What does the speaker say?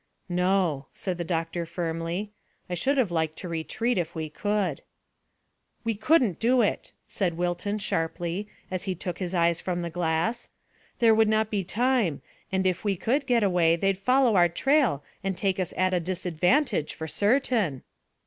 "No," said the doctor firmly. "I should have liked to retreat if we could." "We couldn't do it," said Wilton sharply, as he took his eyes from the glass. "There would not be time, and if we could get away they'd follow our trail and take us at a disadvantage, for certain."